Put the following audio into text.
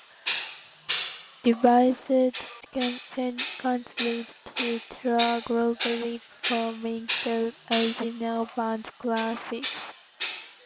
Revisited continues to tour globally performing the original band's classics.